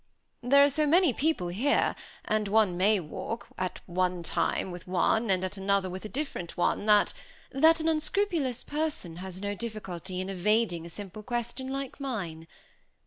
"There are so many people here, and one may walk, at one time with one, and at another with a different one, that " "That an unscrupulous person has no difficulty in evading a simple question like mine.